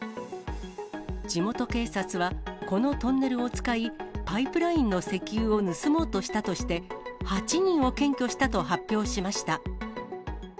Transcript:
地元警察は、このトンネルを使い、パイプラインの石油を盗もうとしたとして、８人を検挙したと発表しました。